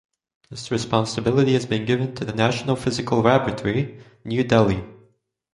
This responsibility has been given to the National Physical Laboratory, New Delhi.